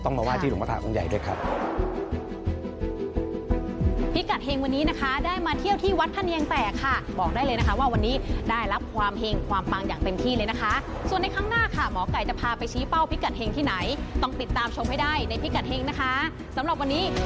ต้องมาว่ายที่หลวงพ่อธาคงใหญ่ด้วยครับ